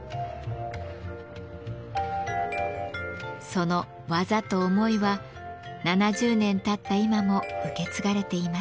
その技と思いは７０年たった今も受け継がれています。